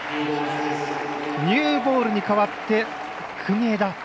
ニューボールに替わって国枝。